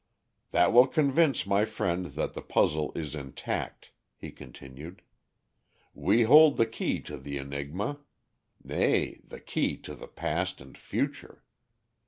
"That will convince my friend that the puzzle is intact," he continued. "We hold the key to the enigma nay, the key to the past and future.